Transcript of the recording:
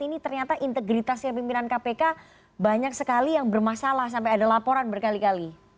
ini ternyata integritasnya pimpinan kpk banyak sekali yang bermasalah sampai ada laporan berkali kali